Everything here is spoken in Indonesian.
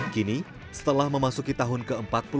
kini setelah memasuki tahun ke empat puluh lima